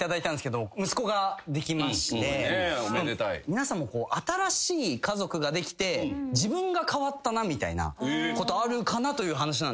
皆さんも新しい家族ができて自分が変わったなみたいなことあるかなという話なんですけど。